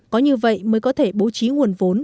có như vậy mới có thể bố trí nguồn vốn